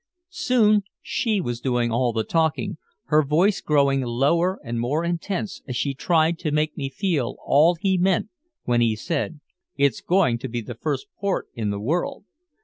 Soon she was doing all the talking, her voice growing lower and more intense as she tried to make me feel all he meant when he said, "It's going to be the first port in the world."